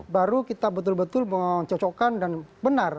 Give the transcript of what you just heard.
baru kita betul betul mencocokkan dan benar